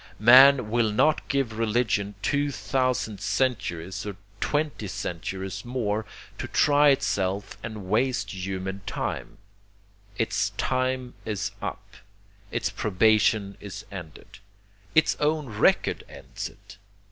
Man will not give religion two thousand centuries or twenty centuries more to try itself and waste human time; its time is up, its probation is ended. Its own record ends it.